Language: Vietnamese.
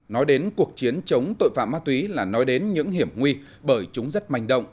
nói đến cuộc chiến chống tội phạm ma túy là nói đến những hiểm nguy bởi chúng rất manh động